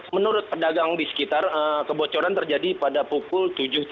menurut pedagang di sekitar kebocoran terjadi pada pukul tujuh tiga puluh